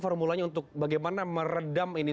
formulanya untuk bagaimana meredam ini